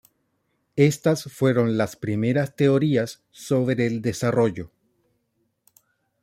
Estas fueron las primeras teorías sobre el desarrollo.